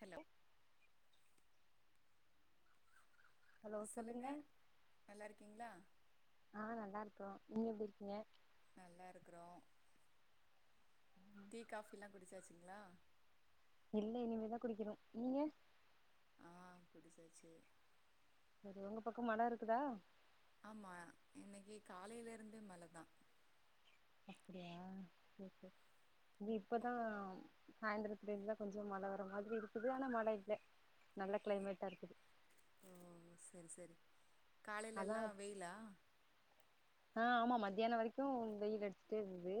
Hello hello சொல்லுங்க நல்லா இருக்கீங்களா ஆ நல்லா இருக்கோம் நீங்க எப்டி ஏன் நல்லா இருக்குறோம் டீ காபிலாம் குடிச்சாச்சி ங்களா இல்ல இனிமேதான் குடிக்கனும் நீங்க ஆ குடிச்சாச்சு செரி உங்க பக்கம் மழை இருக்குதா ஆமா இன்னைக்கு காலைல இருந்தே மழைதான் அப்டியா இது இப்பதான் சயந்திரத்துல இருந்துதான் கொஞ்ச மழை வர மாரி இருக்குது ஆனா மழை இல்ல நல்ல கிளைமேட்டா இருக்குது அதா காலைலயெல்லா வெயிலா மத்தியானம் வரைக்கும் வெயில் அடிச்சுட்டே இருந்து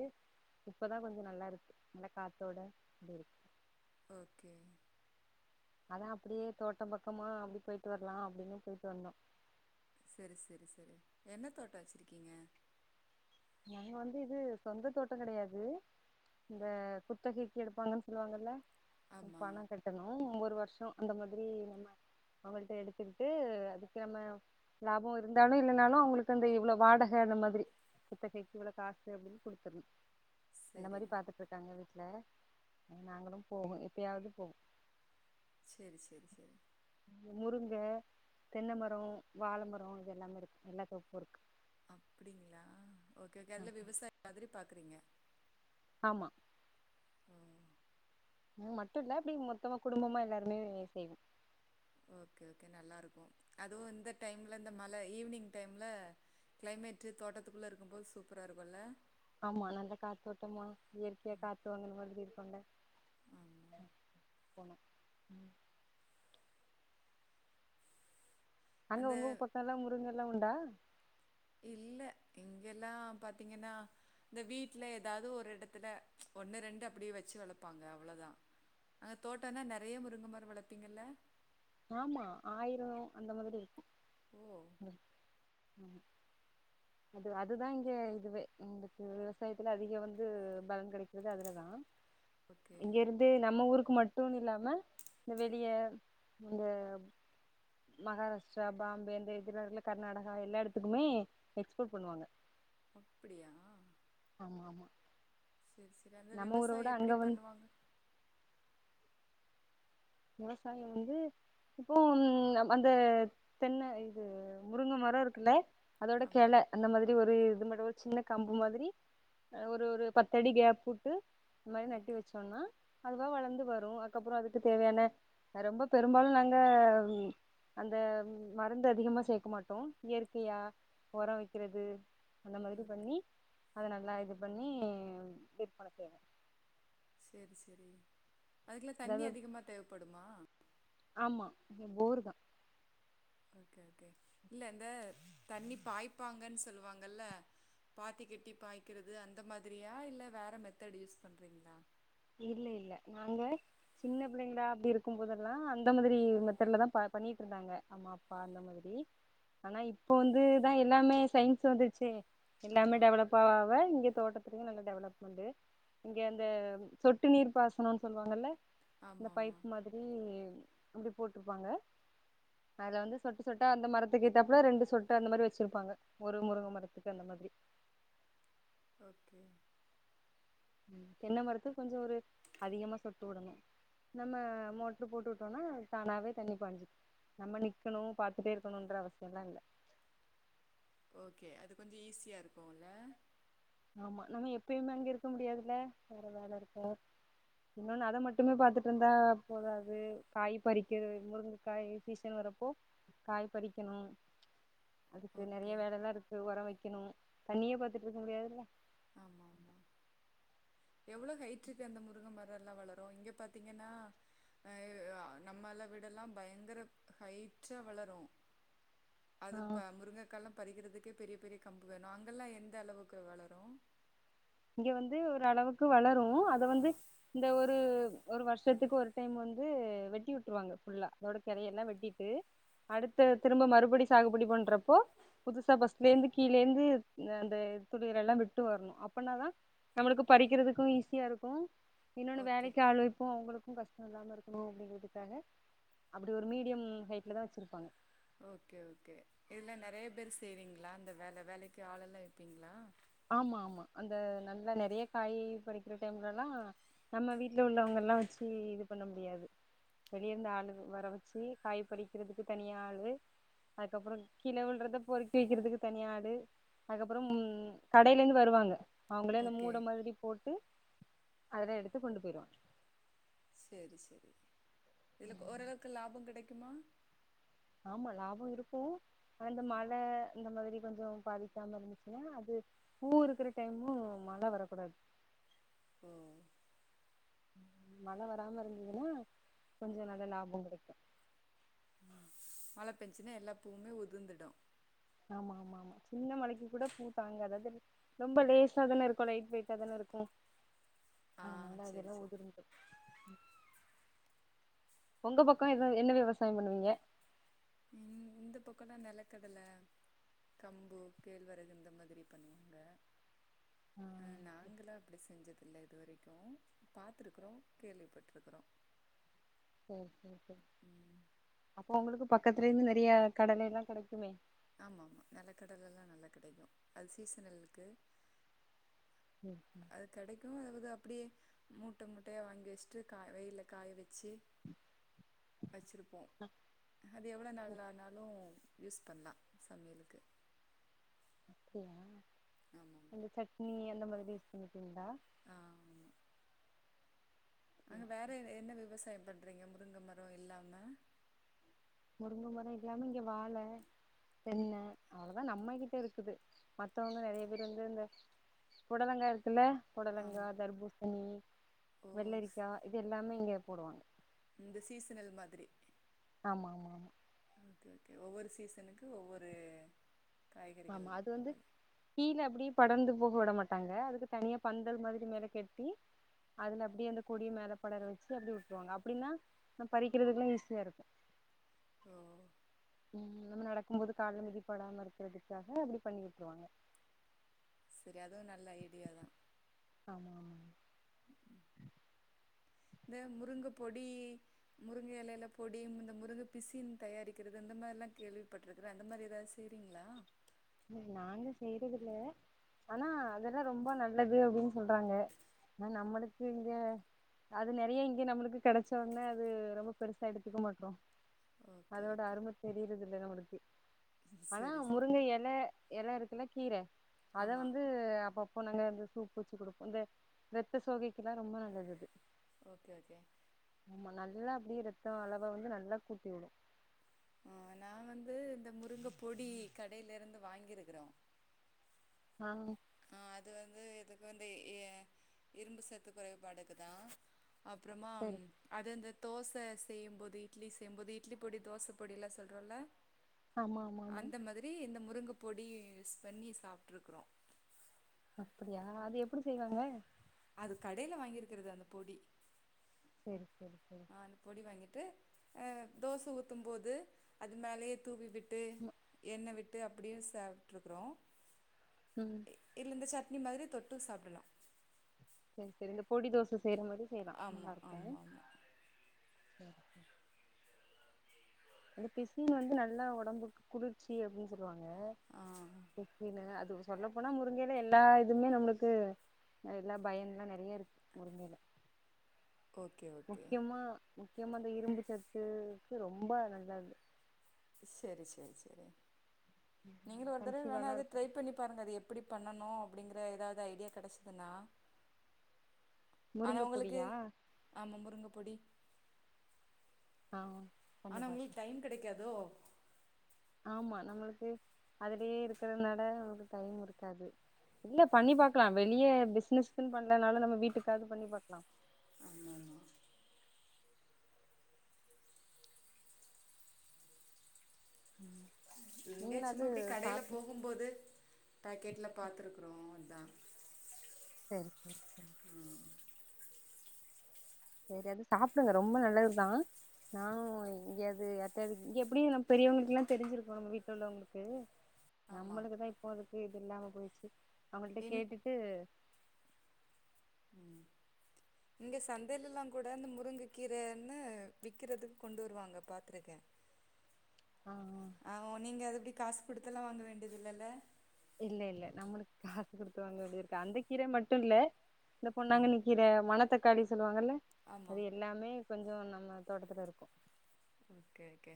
இப்பதான் கொஞ்சம் நல்லா இருக்கு நல்லா காத்தோட அப்டி இருக்கு ஓகே அதான் அப்படியே தோட்டம் பக்கமா அப்டி போயிட்டு வரலாம் அப்டின்னு போயிட்டு வந்தோம் செரி செரி செரி என்ன தோட்டம் வச்சிருக்கீங்க நாங்க வந்து இது சொந்த தோட்டம் கிடையாது இந்த குத்தகைக்கு எடுப்பாங்கன்னு சொல்லுவாங்கல்ல ஆமா பணம் கட்டணும் ஒவ்வொரு வருஷம் அந்த மாதிரி நம்ம அவங்கள்ட்ட எடுத்துக்கிட்டு அதுக்கு நம்ம லாபம் இருந்தாலும் இல்லைனாலும் அவங்களுக்கு அந்த இவ்ளோ வாடக அந்த மாதிரி குத்தகைக்கு இவ்வள காசு அப்டின்னு கொடுத்துருணும் அந்த சரி மாதிரி பாத்துட்டு இருக்காங்க வீட்டுல நாங்களும் போவோம் எப்பயாவது போவோம் செரி செரி செரி முருங்க தென்ன மரம் வாழ மரம் இது எல்லாமே இருக்கும் எல்லாத்தோப்பும் இருக்கு அப்டிங்களா ஓகேஓகே ஆ நல்ல விவசாயம் மாதிரி பா இருக்குறீங்க ஆமா ம் மட்டு இல்ல அப்டி மொத்தமா குடும்பமா எல்லாருமே செய்வோ ஓகே ஓகே நல்லாயிருக்கும் அதுவும் இந்த டைம்ல இந்த மழை ஈவினிங் டைம்ல கிளைமேட்டு தோட்டத்துக்குள்ள இருக்கும் போது சூப்பரா இருக்கும்ல்ல ஆமா நல்ல காத்தோட்டமா இயற்கையா காத்து வாங்கற மாதிரி கொல்ல ஆமா. ம் போன ம் அங்க அந்த உங்க பக்கம் எல்லாம் முருங்க எல்லாம் உண்டா இங்கேல்லாம் பாத்தீங்கன்னா இந்த வீட்டில் ஏதாவது ஒரு இடத்துல ஒன்னு ரெண்டுஅப்படியே வச்சு வளப்பாங்க அவ்வளோதா அங்க தோட்டம்னா நறைய முருங்கைமரம் வளப்பிங்கள்ல ஆமா ஆயிரம் அந்த மாதிரி இருக்கும் ஓ! உம் உம் இது அதுதா இங்க இதுவே எங்களுக்கு விவசாயத்துல அதிகம் வந்து பலன் கிடைக்கிறது அதுலதா ஓகே. இங்க இருந்தே நம்ம ஊருக்கு மட்டும்னு இல்லாம வெளிய இந்த மகாராஷ்டிரா பாம்பே இந்த எதிராக்குல கர்நாடகா எல்லா இடத்துக்குமே எக்ஸ்போர்ட் பண்ணுவாங்க அப்டியா ஆமா ஆமா சரி சரி அந்த நம்ம ஊர விட விவசாயம் அங்க எப்டி வந்து பண்ணுவாங்க விவசாயம் வந்து இப்போ அந்த தென்ன இது முருங்க மரம் இருக்குல்ல அதோட ஆமா. கிளை அந்த மாதிரி ஒரு இது மட்ட ஒரு சின்ன கம்பு மாதிரி ஒரு ஒரு பத்தடி கேப் விட்டு அந்த மாதிரி நட்டி ஓகே, வச்சோம்னா அதுவா வளர்ந்து வரும் அதுக்கப்பறம் அதுக்கு தேவையான ரொம்ப பெரும்பாலும் நாங்க அந்த மருந்து அதிகமா சேக்க மாட்டோம் இயற்கையா உரம் வைக்கிறது அந்த மாதிரி ஓகே. பண்ணி அத நல்லா இது பண்ணி விற்பன செய்வோ சரி சரி அதுக்குல்லா அதாவது தண்ணி ஒரு அதிகமா தேவைப்படுமா ஆமா இங்க போர் தான் ஓகே ஓகே இல்ல இந்த தண்ணி பாய்ப்பாங்கன்னு சொல்லுவாங்கல்ல பாத்தி கட்டி பாய்க்கறது அந்த மாதிரியா இல்ல வேற மெத்தடு் யூஸ் பண்றீங்களா இல்ல இல்ல நாங்க சின்ன பிள்ளைங்களா அப்டி இருக்கும் போதெல்லாம் அந்த மாதிரி மெத்தட்லதா பண்ணிட்டு இருந்தாங்க அம்மா அப்பா அந்த மாதிரி ஆனா இப்ப வந்துதா எல்லாமே சயின்ஸ் வந்துச்சு எல்லாமே ஆமா டெவலப் ஆவ ஆவ இங்க தோட்டத் நல்ல டெவலப்மெண்ட் இங்க அந்த சொட்டு நீர் பாசனம்னு சொல்லாங்கல்ல இந்த ஆமாமா பைப் மாதிரி அப்படி போட்டிருப்பாங்க அதுல வந்து சொட்டு சொட்டா அந்த மரத்துக்கு ஏத்தாப்புல ரெண்டு சொட்டு அந்த மாதிரி வச்சிருப்பாங்க ஒரு முருங்கை மரத்துக்கு அந்த மாதிரி ஓகே தென்னை மரத்து கொஞ்சம் ஒரு அதிகமா சொட்டு விடணும் நம்ம மோட்டரு போட்டு விட்டோம்னா தானாவே தண்ணி பாஞ்சு நம்ம நிக்கணும் பாரத்துட்டே இருக்கணும்ன்ற அவசியம்லாம் இல்லை ஓகே அது கொஞ்சம் ஈஸியாக இருக்கும்ல ஆமா நம்ம எப்பயுமே அங்க இருக்க முடியாதுல வேற வேலை இருக்கா இன்னொன்னு அத மட்டுமே பாத்துட்டு இருந்தா போதாது காய் பறிக்கிறது முருங்கை காய் சீசன் வரப்போ காய் பறிக்கணும் அதுக்கு நிறைய ஓகே வேலை எல்லாம் இருக்கு உரம் வைக்கணும் தண்ணியே பாத்துட்டு இருக்க முடியாதுல ஆமா ஆமா எவ்வளவு ஹைட் இருக்கு அந்த முருக மரம் எல்லாம் வளரும் இங்க பாத்தீங்கன்னா அஹ் நம்மால விட எல்லாம் பயங்கர ஹைட்டா வளரும் ஆ அதுப்ப முருங்கைக்கலம் பறிக்கிறதுக்கே பெரிய பெரிய கம்பு வேணும் அங்கெல்லாம் எந்த அளவுக்கு வளரும் இங்க வந்து ஒரு அளவுக்கு வளரும் அத வந்து இந்த ஒரு ஒரு வருஷத்துக்கு ஒரு டைம் வந்து வெட்டி விட்டுருவாங்க ஃபுல்லா அதோட கரைய எல்லாம் வெட்டிட்டு அடுத்த திரும்ப மறுபடி சாகுபடி பண்றப்போ புதுசா ஃபஸ்ட்ல இருந்து கீழேந்து அந்த துளிர்ள எல்லாம் விட்டு வரணும் அப்பனாதான் நம்மளுக்கு பறிக்கிறதுக்கும் ஈஸியா இருக்கும் இன்னொன்னு ஓகே வேலைக்கு ஆள் வைப்போம் அவுங்களுக்கு இன்னு கஷ்டம் இல்லாம இருக்கணும் அப்படிங்கிறதுக்காக அப்படி ஒரு மீடியம் ஹைட்ல தான் வச்சிருப்பாங்க ஓகே ஓகே இதுல நெறைய பேர் செய்றீங்களா அந்த வேல வேலைக்கு ஆள் எல்லா எடுப்பீங்களா ஆமா ஆமா அந்த நல்லா நெறைய காய் பறிக்கிற டைம்லல்லா நம்ம வீட்டுல உள்ளவங்க எல்லா வச்சு இது பண்ண முடியாது வெளியே இருந்த ஆள் வர வச்சு காய் பறிக்கிறதுக்கு தனியா ஆளு அதுக்கப்புறம் கிழ வில்றத பொறுக்கி வைக்கிறதுக்கு தனிய ஆளு அதுக்கப்புறம் உ கடையில இருந்து வருவாங்க அவங்களே அந்த ஓகே மூட மாதிரி போட்டு அதல்லா எடுத்து கொண்டு போயிருவாங்க சேரி சேரி இதுலக்கு ஓரளவுக்கு லாபம் கிடைக் க்குமா ஆமா லாபம் இருக்கும் அந்த மழ இந்த மாதிரி கொஞ்சோ பாதிக்காம இருந்துச்சுன்ன அது பூ இருக்கிற டைமும் மழ வரக்கூடாது ஓ மழ வராம இருந்ததுன்னா கொஞ்சோ நல்ல லாபம் கிடைக்கும் மழ பெஞச்சுனா எல்லா பூவுமே உதிந்துடும் ஆமா ஆமா ஆமா சின்ன மழைக்கு கூட பூ தாங்க அதாவது ரொம்ப லேஸா தானே இருக்கும் லைட் வெயிட்டா தானே இருக்கும் ஆ அதனால சேரி அதெல்லா சேரி உதிர்ந்திரும் உங்க பக்கம் எத என்ன விவசாயம் பண்ணுவீங்க இந் இந்த பக்கம்லா நிலக்கடலை கம்பு கேழ்வரகு இந்த மாதிரி பண்ணுவாங்க ஆ அஹ நாங்களாம் அப்படி செஞ்சதில்ல இதுவரைக் க்கும் பாத்திருக்கறோம் கேள்விப்பட்டிருக்கறோம் செரி செரி செரி அப்ப உங்களுக்கு பக் பக்கத்துல இருந்து நெறைய கடலை எல்லா கிடைக்குமே ஆமா ஆமா நிலக்கடல எல்லா நல்லா கிடைக்கும் அது சீசனலக்கு ம் அது கிடைக்கும் அதாவது அப்படியே மூட்ட மூட்டயா வாங்கி வச்சுட்டு கா வெயில்ல காய வெ ச்சே வச்சிருப்போம் அது எவ்ளோ நாலானாலும் யூஸ் பண்லாம் சமையலுக்கு செரிங்க ஆமாமா அந்த சட்னி அந்த மாரி யூஸ் பண்ணிகீவிங்களா ஆஹ் ஆமா அங்க வேற எ என்ன விவசாயம் பண்றீங்க முருங்க மரம் இல்லாம முருங்க மரம் இல்லாம இங்க வாழ தென்ன அவ்வளோதான் நம்ம கிட்ட இருக்குது மத்தவங்கங்க நெறைய பேர் வந்து இந்த புடலங்காய் இருக்குல்ல பொடலங்கா ஆமா தர்பூசணி ஓ ஸ்- வெள்ளரிக்கா இது எல்லாமே இங்க போடுவாங்க இந்த சீசனல் மாதிரி ஆமா மா மா ஓகே ஓகே ஒவ்வொரு சீசனுக்கு ஒவ்வொரு காய்கறிகள் ஆமா அது வந்து விளை- கீழ அப்டியே படர்ந்து போக விட மாட்டாங்க அதுக்கு தனியா பந்தல் மாதிரி மேல கெட்டி அதுல அப்டியே அந்த கொடிய மேல படற வச்சு அப்டி விட்டுருவாங்க அப்படினா நம்ம பறிக்கிறதுக்குன்னு ஈஸியா இருக்கு ஓ உம் நம்ம நடக்கும் போது கால்ல மிதிப்படாம இருக்கிறதுக்காக அப்படி பண்ணி விட்டுருவாங்க சரி அதுவு நல்ல ஐடியா தா ஆமா ஆமா இந்த முருங்க பொடி முருங்க எலையில பொடி இந்த முருங்க பிசின் தயாரிக்கிறது இந்த மாதிரியெல்லா கேள்விப்பட்ருக்கிற அந்த மாதிரி ஏதாவது செய்ரீங்களா நாங்க செய்யறதில்ல ஆனா அதெல்லா ரொம்ப நல்லது அப்படின்னு சொல்றாங்க ஆனா நம்மளுக்கு இங்க அது நறைய இங்க நம்மளுக்கு கிடைச்ச ஒடனே அது ரொம்ப பெருசா எடுத்துக்க மாட்டோ ஓகே அதோட ஓகே அருமை தெரியறது இல்ல நமக்கு ஆனா சரி சரி முருங்க எ லைல எலை இருக்குல்ல கீரை அத ஆமா வந்து அப்பப்ப நாங்க இந்த சூப் வச்சு குடுப்போ இந்த ரத்த சோகைக்கெல்லா ரொம்ப நல்லது அது ஓகே ஓகே ஆமா நல்லா அப்படியே ரத்த அளவை வந்து நல்லா கூட்டிவுடு உஹ் நா வந்து இந்த முருங்க பொடி கடையிலிருந்து வாங்கிருக்கறோ ஆஹ் ஆஹ் அது வந்து எதுக்கு வந்து இ இரும்பு சத்து குறைபாடுக்குதா அப்பறமா சரி அது அந்த தோசை செய்யும்போது இட்லி செய்யும்போது இட்லி பொடி தோசை பொடி எல்லா சொல்றோல ஆமா ஆமா ஆமா முருங்கப்பொடிய யூஸ் பண்ணி சாப்ட்டுருக்குறோ அப்படியா அது எப்புடி செய்வாங்க அது கடையில வாங்கிருக்கிறது அந்த பொடி சரி சரி சரி தோசை ஊத்தும் போது அது மேலயே தூவி விட் ட்டு ம் எண்ணெ விட்டு ட்டு அப்படியே சாப்புட்டு இருக்கறோ ம் இல்லந்து ச இது மாதிரி தொட்டு சாப்பிடலாம் சரி சரி இந்த பொடி தோசை செய்ற மாரி செய்யலா ஆமா நல்லா இருக்கு ஆமா ஆமா ம்ம் [inaudible] அந்த பிசின் வந்து நல்லா ஒடம்புக்கு குளிர்ச்சி அப்படின்னு சொல்லுவாங்க ஆ பிசினு அது இது சொல்லப்போனா முருங்கையில எல்லா இதுமே நம்மளுக்கு எல்லா பயன் எல்லா நிறைய இருக்கு முருங்கைல ஓகே ஓகே முக்கியமா முக்கியமா அந்த இரும்பு சத்துக்கு ரொம்ப நல்லது செரி செரி செரி நீங்களு ஒரு தடவ வேணா கன்சீவாலா அது ட்ரை இருப்பாங்க பண்ணி பாருங்க அது எப்படி பண்ணனு அப்படிங்கற எதாவ்து ஐடியா கெடச்சதுன்னா ஆனா முருங்க உங்குளுக்கு பொடியா ஆமா முருங்க பொடி அ அ ஆனா உங்ளுக் டைம் கெடைக்காதோ ஆமா நம்மளுக்கு அதுலியே இருக்கிறனால அதுக்கு டைம் இருக்காது இல்ல பண்ணி பாக்லா வெளிய பிசினஸ்ன்னு பண்ணனால நம்ம வீட்டுக்காவது பண்ணி பாக்லா ஆமா ஆமா ம் நீங்களு [unintelligible] அது சும்மாப்பிடி கடையில சாப்டு போகும் போது பேக்கெட்ல பாத்துருக்கறோ அத்தா செரி செரி செரி செரி அது சாப்பிடுங்க ரொம்ப நல்லதுதா நானு இங்க அது அது [unintelligible] எப்டியு நம்ம பெரியவங்களுக்குல்லா தெரிஞ்சிருக்கோ நம்ம வீட்டு உள்ளவங்களுக்கு ஆமா நம்மளுக்குதா இப்போ அதுக் இது இல்லாம போய்ச்சு அவள்ட்ட என் கேட்டுட்டு ம் இங்க சந்தெலல்லா கூட இந்த முருங்க கீரன்னு விக்கறதுக் கொண்டு வருவாங்க பாத்துருக்கே ஆ ஆ அ நீங்க அதுபடி காசு குடுத்தெல்லா வாங்க வேண்டிதில்லல்ல இல்ல இல்ல நம்மளுக் காசு குடுத்து வாங்க வேண்டி இருக்கா அந்த கீர மட்டு இல்ல இந்த பொண்ணாங்கன்னி கீர மண தக்காளி சொல்லுவா க்கலா ஆமா அது எல்லாமே கொஞ்சோ நம்ம தோட்டத்துல இருக்கோ ஓகே ஓகே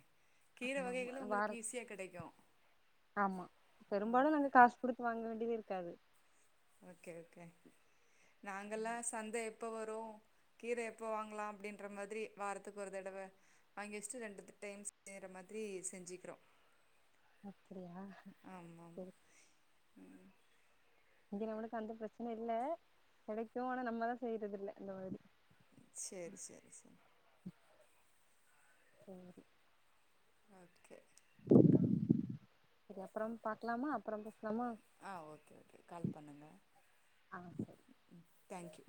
கீரை ஆமா வகைகளு ஆ வார உங்களுக்கு ஈஸியா கெடைக்கு ஆமா பெரும்பாலு நாங்க காஸ் குடுத்து வாங்க வேண்டியதே ருக்காது நாங்கலா சந்தை எப்போ வரு கீர எப்போ வாங்லா அப்டின்ற மாதிரி வாரத்துக்கு ஒரு தடவ வாங்கி வெஷ்ட்டு ரெண்டு த த டைம் செய்ற மாதிரி செஞ்சிக்கிறோ அப்படியா செரி இங்க நம்மளுக்கு அந்த ப்ரெச்சன இல்ல கெடைக்கு ஆனா நம்மதா செய்றது இல்ல இந்த மாதிரி செரி செரி செரி சேரி ஓகே சரி அப்புறம் வந்து பாக்கலாமா அப்புறம் பேசலாமா ஆ ஓகே ஓகே கால் பண்ணுங்க ஆ சரி தேங்க் யூ